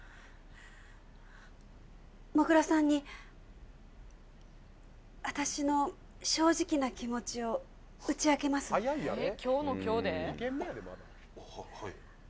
もぐらさんに私の正直な気持ちを打ち明けますはっ